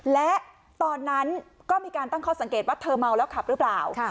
และตอนนั้นก็มีการตั้งข้อสังเกตว่าเธอเมาแล้วขับหรือเปล่า